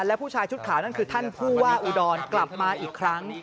และผู้ชายชุดขาวนั่นคือท่านผู้ว่าอุดรกลับมาอีกครั้ง